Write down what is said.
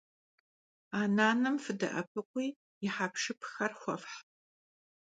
A nanem fıde'epıkhui yi hepşşıpxer xuefh.